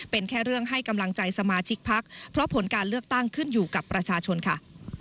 เป็นแค่เรื่องให้กำลังใจสมาชิกพักเพราะผลการเลือกตั้งขึ้นอยู่กับประชาชนค่ะ